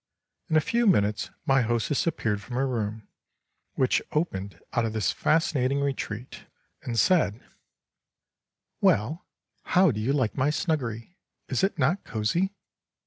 In a few minutes my hostess appeared from her room, which opened out of this fascinating retreat, and said "Well, how do you like my snuggery; is it not cosy?"